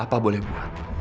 apa boleh dibuat